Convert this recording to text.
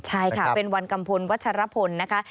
ใช่ค่ะเป็นวันกัมพลวัชรพลนะคะ